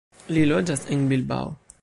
Li loĝas en Bilbao.